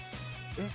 えっ？